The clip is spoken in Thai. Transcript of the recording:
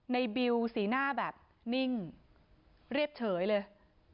บิวสีหน้าแบบนิ่งเรียบเฉยเลย